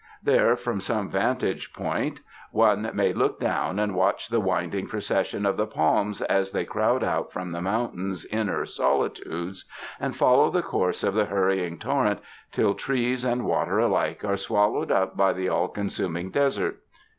There from some vantage point, one may look down 35 UNDER THE SKY IN CALIFORNIA and watch the winding procession of the palms as they crowd out from the mountain's inner solitudes and follow the course of the hurrying torrent till trees and water alike are swallowed up by the all eonsuming desert.